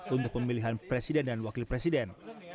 untuk pemilihan presiden dan wakil presiden